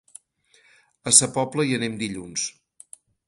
A Sa Pobla hi anem dilluns.